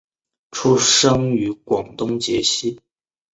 出生于广东揭西。